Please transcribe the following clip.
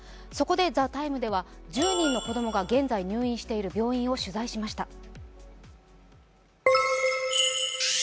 そこで「ＴＨＥＴＩＭＥ，」では１０人の子供が現在入院している病院を取材しました。